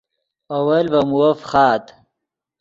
اول ڤے مووف فخآت